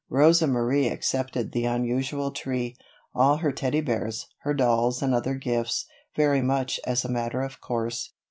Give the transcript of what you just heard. Rosa Marie accepted the unusual tree, all her Teddy bears, her dolls and other gifts, very much as a matter of course.